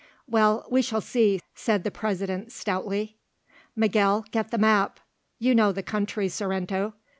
"Well, we shall see," said the President stoutly. "Miguel, get the map. You know the country, Sorrento.